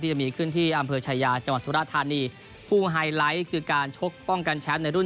จะมีขึ้นที่อำเภอชายาจังหวัดสุราธานีคู่ไฮไลท์คือการชกป้องกันแชมป์ในรุ่น